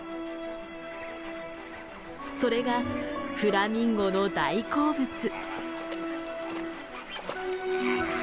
それがフラミンゴの大好物。